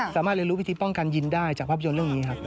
สามารถเรียนรู้วิธีป้องกันยินได้จากภาพยนตร์เรื่องนี้ครับ